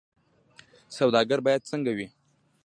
سوداګر باید څنګه وي؟